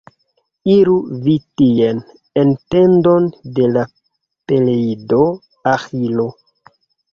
Iru vi tien, en tendon de la Peleido Aĥilo.